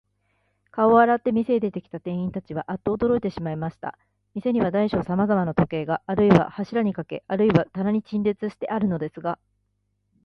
顔を洗って、店へ出てきた店員たちは、アッとおどろいてしまいました。店には大小さまざまの時計が、あるいは柱にかけ、あるいは棚に陳列してあるのですが、